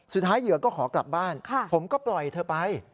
สุดท้ายเหยือก็ขอกลับบ้านผมก็ปล่อยเธอไป